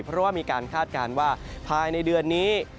เพราะว่ามีการคาดการณ์ว่าภายในเดือนนี้